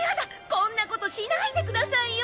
こんなことしないでくださいよ！